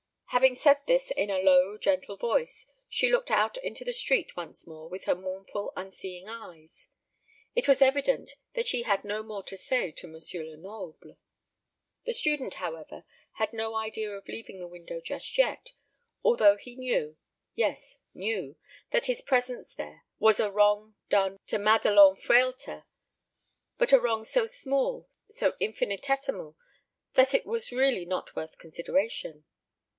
Having said this in a low gentle voice, she looked out into the street once more with her mournful unseeing eyes. It was evident that she had no more to say to M. Lenoble. The student, however, had no idea of leaving the window just yet, although he knew yes, knew that his presence there was a wrong done to Madelon Frehlter; but a wrong so small, so infinitesimal, that it was really not worth consideration.